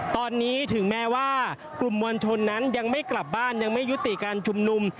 ตอนนี้ถึงแม้ว่ากลุ่มมวลชนนั้นยังไม่กลับบ้านยังไม่ยุติการชุมนุม